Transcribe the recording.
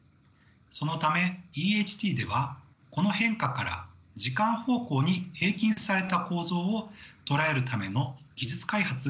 そのためＥＨＴではこの変化から時間方向に平均された構造を捉えるための技術開発が必須となりました。